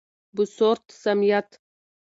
بوسورت سمیت :